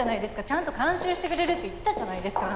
ちゃんと監修してくれるって言ったじゃないですか。